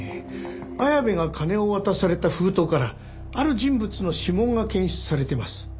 綾部が金を渡された封筒からある人物の指紋が検出されてます。